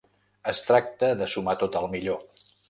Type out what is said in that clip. Es tracta de sumar tot el millor.